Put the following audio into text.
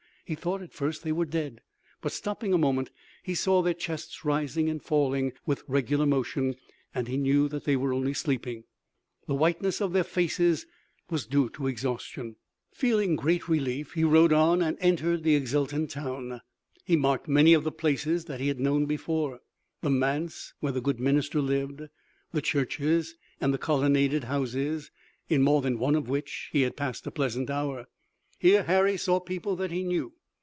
He thought at first they were dead, but stopping a moment he saw their chests rising and falling with regular motion, and he knew that they were only sleeping. The whiteness of their faces was due to exhaustion. Feeling great relief he rode on and entered the exultant town. He marked many of the places that he had known before, the manse where the good minister lived, the churches and the colonnaded houses, in more than one of which he had passed a pleasant hour. Here Harry saw people that he knew.